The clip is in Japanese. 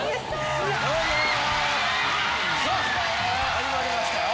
始まりましたよ。